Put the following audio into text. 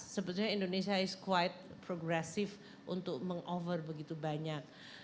sebetulnya indonesia is quite progresif untuk meng over begitu banyak